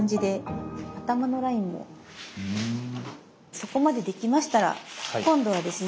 そこまでできましたら今度はですね